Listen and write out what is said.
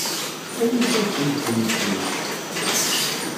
Awit-asen-tent-id.